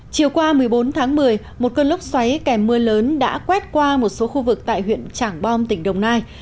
chiều qua một mươi bốn tháng một mươi một cơn lốc xoáy kèm mưa lớn đã quét qua một số khu vực tại huyện trảng bom tỉnh đồng nai